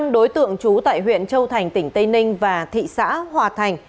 năm đối tượng trú tại huyện châu thành tỉnh tây ninh và thị xã hòa thành